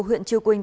huyện chư quynh